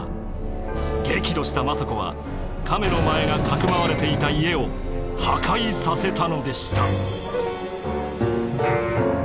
激怒した政子は亀の前がかくまわれていた家を破壊させたのでした。